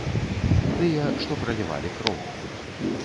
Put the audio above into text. Тыя, што пралівалі кроў.